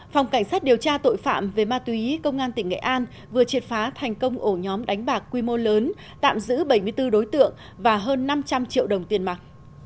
phòng cảnh sát điều tra tội phạm về ma túy công an tỉnh nghệ an vừa triệt phá thành công ổ nhóm đánh bạc quy mô lớn tạm giữ bảy mươi bốn đối tượng và hơn năm trăm linh triệu đồng tiền mặt